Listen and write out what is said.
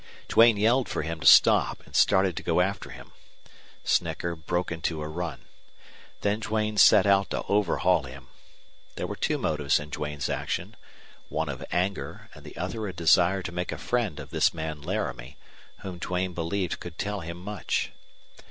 Duane yelled for him to stop and started to go after him. Snecker broke into a run. Then Duane set out to overhaul him. There were two motives in Duane's action one of anger, and the other a desire to make a friend of this man Laramie, whom Duane believed could tell him much.